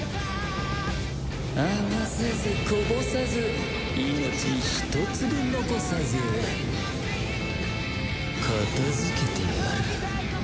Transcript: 余さずこぼさず命ひと粒残さず片付けてやる。